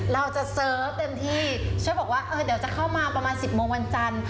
เราจะเซิร์ฟเต็มที่ช่วยบอกว่าเดี๋ยวจะเข้ามาประมาณ๑๐โมงวันจันทร์